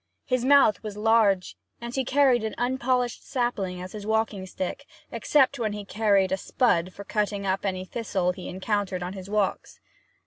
His mouth was large, and he carried an unpolished sapling as his walking stick, except when he carried a spud for cutting up any thistle he encountered on his walks.